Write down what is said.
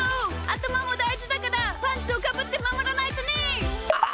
あたまもだいじだからパンツをかぶってまもらないとね！